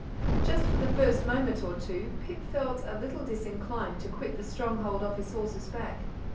Just for the first moment or two Pip felt a little disinclined to quit the stronghold of his horse's back.